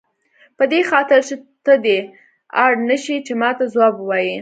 په دې خاطر چې ته دې ته اړ نه شې چې ماته ځواب ووایې.